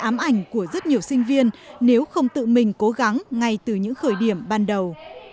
đây là lợi ám ảnh của rất nhiều sinh viên nếu không tự mình cố gắng ngay từ những khởi điểm ban đầu